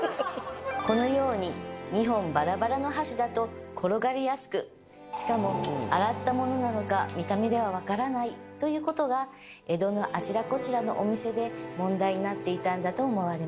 このように２本バラバラの箸だと転がりやすくしかも洗ったものなのか見た目では分からないということが江戸のあちらこちらのお店で問題になっていたんだと思われます